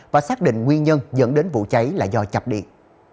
và xác định nguyên nhân dẫn đến vụ cháy là do chập điện